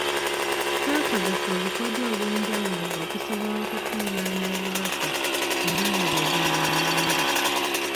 Twakozesa obukodyo obw'enjawulo okusobola okukungaanya obubaka era nga bwe buno wammanga.